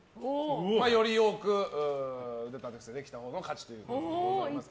より多く腕立て伏せできたほうの勝ちというゲームになります。